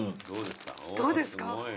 どうですか？